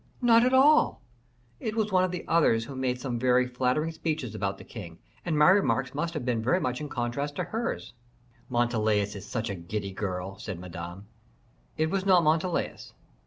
"Not at all; it was one of the others who made some very flattering speeches about the king; and my remarks must have been much in contrast with hers." "Montalais is such a giddy girl," said Madame. "It was not Montalais.